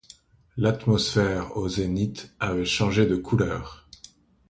L’atmosphère, au zénith, avait changé de couleur.